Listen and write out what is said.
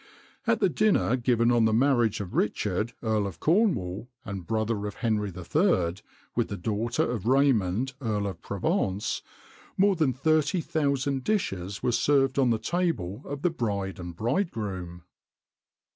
[XXIX 105] At the dinner given on the marriage of Richard, Earl of Cornwall, and brother of Henry III., with the daughter of Raymond, Earl of Provence, more than thirty thousand dishes were served on the table of the bride and bridegroom.